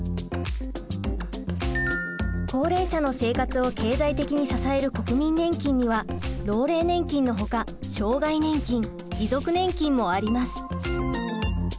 高齢者の生活を経済的に支える国民年金には老齢年金のほか障害年金遺族年金もあります。